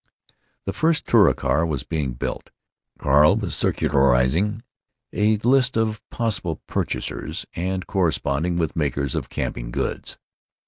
The first Touricar was being built. Carl was circularizing a list of possible purchasers, and corresponding with makers of camping goods.